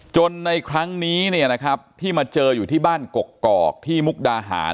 ในครั้งนี้ที่มาเจออยู่ที่บ้านกกอกที่มุกดาหาร